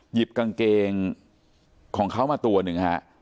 หยิบกางเกงของเขามาตัวหนึ่งฮะ